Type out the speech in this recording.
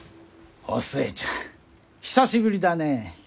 お寿恵ちゃん久しぶりだねえ！